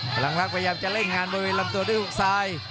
พลังลักษณ์พยายามจะเร่งงานบริเวณลำตัวด้วยหุกซ้าย